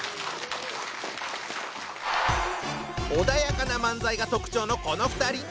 穏やかな漫才が特徴のこの２人。